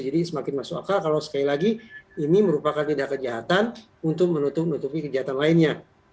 jadi semakin masuk akal kalau sekali lagi ini merupakan tindakan kejahatan untuk menutupi kejahatan lainnya